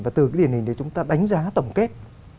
và từ cái điển hình để chúng ta đánh giá tổng kết